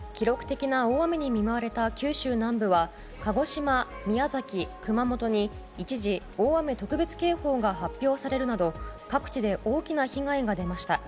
記録的な大雨に見舞われた九州南部は鹿児島、宮崎、熊本に一時大雨特別警報が発表されるなど各地で大きな被害が出ました。